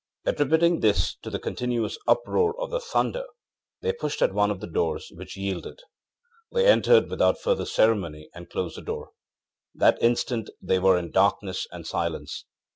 Attributing this to the continuous uproar of the thunder they pushed at one of the doors, which yielded. They entered without further ceremony and closed the door. That instant they were in darkness and silence.